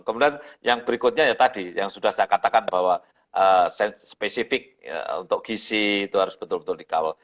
kemudian yang berikutnya ya tadi yang sudah saya katakan bahwa spesifik untuk gisi itu harus betul betul dikawal